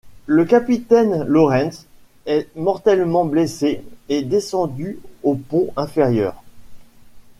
Le capitaine Lawrence est mortellement blessé et descendu au pont inférieur.